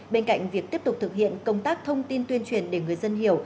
bên cạnh việc tiếp tục thực hiện công tác thông tin tuyên truyền để người dân hiểu